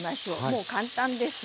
もう簡単です。